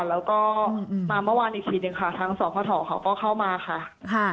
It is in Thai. แล้วก็มาเมื่อวานอีกทีหนึ่งค่ะทางสพเขาก็เข้ามาค่ะ